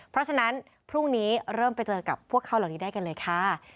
เพราะฉะนั้นพรุ่งนี้เริ่มไปเจอกับพวกเขาเหล่านี้ได้กันเลยค่ะ